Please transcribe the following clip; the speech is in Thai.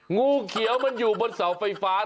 งูเขียวมันอยู่บนเสาไฟฟ้า